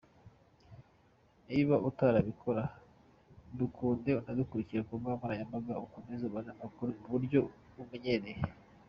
Niba utarabikora! Dukunde unadukurikire ku mbuga nkoranyambaga ukomeze ubone amakuru mu buryo utamenyereye.